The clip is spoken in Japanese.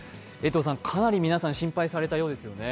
かなり皆さん心配されたようですよね。